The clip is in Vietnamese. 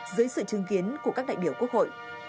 dưới sự chứng kiến của các đại biểu quốc hội